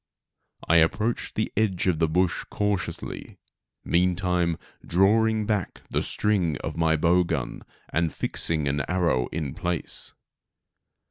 I approached the edge of the bush cautiously, meantime, drawing back the string of my bow gun and fixing an arrow in place.